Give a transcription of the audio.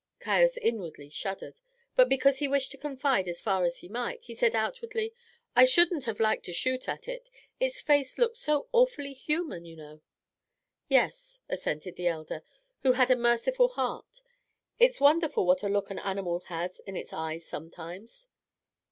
Caius inwardly shuddered, but because he wished to confide as far as he might, he said outwardly: "I shouldn't have liked to shoot at it; its face looked so awfully human, you know." "Yes," assented the elder, who had a merciful heart "it's wonderful what a look an animal has in its eyes sometimes."